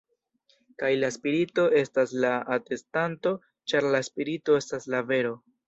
Kaj la Spirito estas la atestanto, ĉar la Spirito estas la vero.